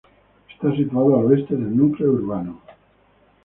Está situada al oeste del núcleo urbano.